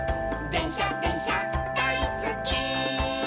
「でんしゃでんしゃだいすっき」